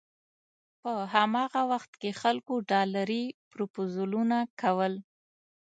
په هماغه وخت کې خلکو ډالري پروپوزلونه کول.